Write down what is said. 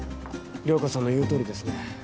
涼子さんの言うとおりですね。